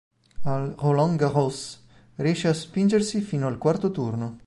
Al Roland Garros riesce a spingersi fino al quarto turno.